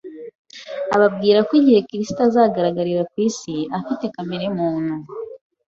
ababwira ko igihe Kristo azagaragarira ku isi afite kamere muntu,